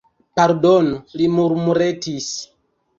Pardonu, li murmuretis.